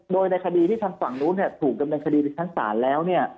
โดยในคดีที่ท่านฝั่งนู้นถูกกำเนินคดีที่ท่านสารแล้ว